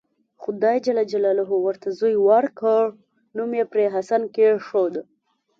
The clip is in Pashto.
خدای ج ورته زوی ورکړ نوم یې پرې حسین کېښود.